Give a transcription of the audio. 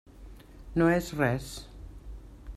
No és res.